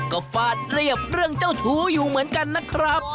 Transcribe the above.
ก็ฟาดเรียบเรื่องเจ้าชู้อยู่เหมือนกันนะครับ